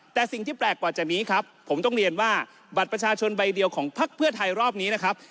แต่สิ่งที่แปลกกว่าจากนี้ครับผมต้องเรียนว่าบัตรประชาชนใบเดียวของพักเพื่อไทยรอบนี้นะครับ